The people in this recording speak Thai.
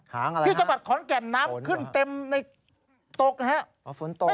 หางอะไรครับฝนตกครับฝนตกครับอ๋อฝนตก